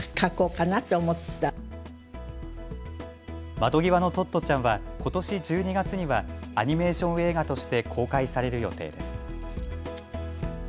窓ぎわのトットちゃんはことし１２月にはアニメーション映画として公開される予定です。